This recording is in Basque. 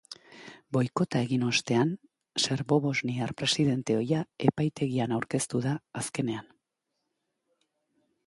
Boikota egin ostean, serbobosniar presidente ohia epaitegian aurkeztu da, azkenean.